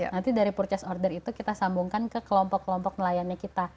nanti dari purchase order itu kita sambungkan ke kelompok kelompok nelayannya kita